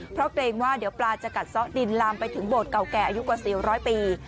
เพราะเตรียมว่าเดี๋ยวปลาจะกัดซ้อดินล้ำไปถึงโบดเก่าแก่อายุกว่าสี่ร้อยปี